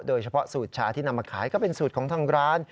โดยเฉพาะสูตรชาที่นำมาขายก็เป็นสูตรของทางร้าน